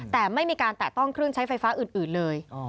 แต่ไม่มีการแตะต้องเครื่องใช้ไฟฟ้าอื่นเลย